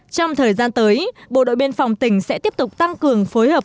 trong thời gian tới bộ đội biên phòng tỉnh sẽ tiếp tục tăng cường phối hợp